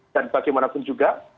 dan bagaimanapun juga